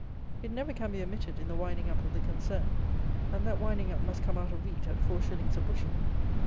It never can be omitted in the winding up of the concern; and that winding up must come out of wheat at four shillings a bushel.